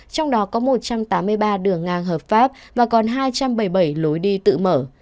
trong đó có một trăm tám mươi ba đường ngang hợp pháp và còn hai trăm bảy mươi bảy lối đi tự mở